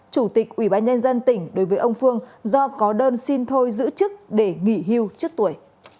chủ tịch ủy ban nhân dân tỉnh đối với ông phương do có đơn xin thôi giữ chức để nghỉ hưu trước tuổi